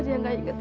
gimana itu erwin